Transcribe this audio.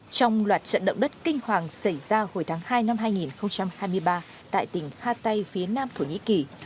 trong loạt trận động đất kinh hoàng xảy ra hồi tháng hai năm hai nghìn hai mươi ba tại tỉnh khattay phía nam thổ nhĩ kỳ